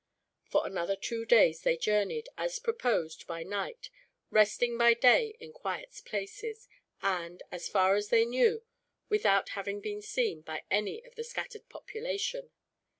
For another two days they journeyed, as proposed, by night; resting by day in quiet places and, so far as they knew, without having been seen by any of the scattered population.